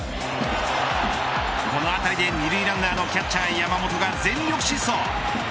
この当たりで二塁ランナーのキャッチャー山本が全力疾走。